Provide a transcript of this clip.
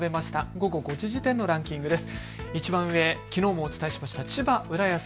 午後５時時点のランキングです。